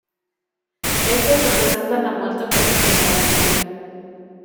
Estas representan la muerte por incineración.